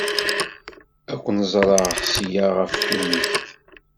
Ad ken-ẓreɣ seg-a ɣef timikt.